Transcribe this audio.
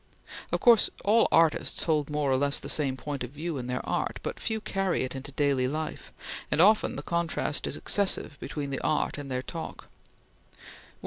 Of course all artists hold more or less the same point of view in their art, but few carry it into daily life, and often the contrast is excessive between their art and their talk.